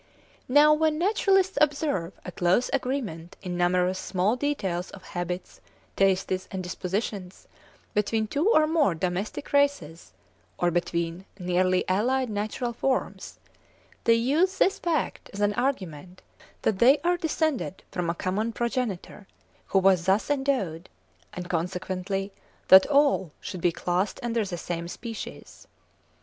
Now when naturalists observe a close agreement in numerous small details of habits, tastes, and dispositions between two or more domestic races, or between nearly allied natural forms, they use this fact as an argument that they are descended from a common progenitor who was thus endowed; and consequently that all should be classed under the same species.